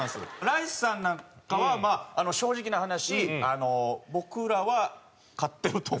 ライスさんなんかはまあ正直な話僕らは勝ってると。